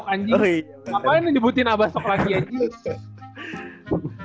kenapa ini nyebutin abas talk lagi